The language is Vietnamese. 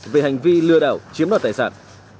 về hành vi lừa đảo chiếm đoạt tài sản